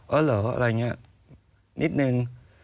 เหรออะไรอย่างนี้นิดนึง